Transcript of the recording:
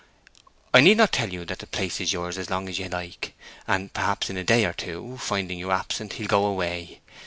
I need not tell you that the place is yours as long as you like; and perhaps in a day or two, finding you absent, he will go away.